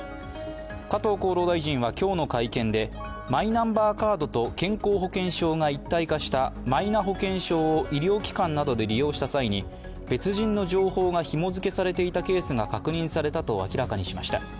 加藤厚労大臣は今日の会見でマイナンバーカードと健康保険証が一体化したマイナ保険証を医療機関などで利用した際に、別人の情報がひもづけされていたケースが確認されたと明らかにしました。